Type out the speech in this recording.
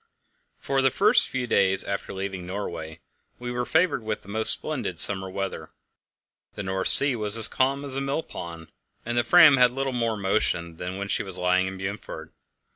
For the first few days after leaving Norway we were favoured with the most splendid summer weather. The North Sea was as calm as a millpond; the Fram had little more motion than when she was lying in Bundefjord.